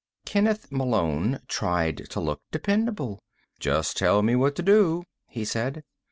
Kenneth Malone tried to look dependable. "Just tell me what to do," he said.